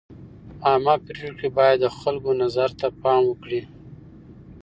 عامه پرېکړې باید د خلکو نظر ته پام وکړي.